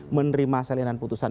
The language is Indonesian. menerima selainan putusan